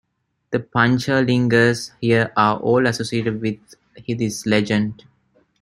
The Panchalingas here are all associated with this legend.